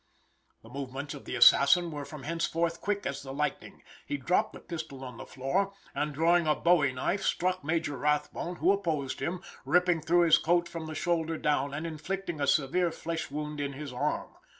] The movements of the assassin were from henceforth quick as the lightning, he dropped his pistol on the floor, and drawing a bowie knife, struck Major Rathbone, who opposed him, ripping through his coat from the shoulder down, and inflicting a severe flesh wound in his arm.